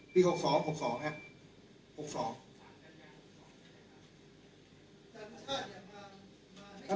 พี่หกสองหกสองครับหกสอง